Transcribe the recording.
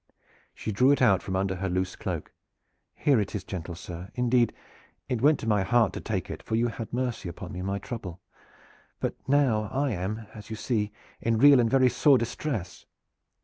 She drew it out from under her loose cloak. "Here it is, gentle sir. Indeed it went to my heart to take it, for you had mercy upon me in my trouble. But now I am, as you see, in real and very sore distress.